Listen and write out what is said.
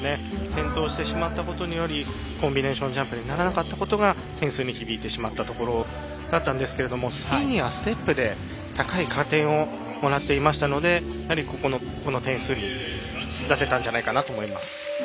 転倒してしまったことによりコンビネーションジャンプにならなかったところが点数に響いてしまったところでしたがスピンやステップで高い加点をもらっていましたのでこの点数を出せたんじゃないかと思っています。